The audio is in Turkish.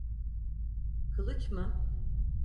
Kılıç mı?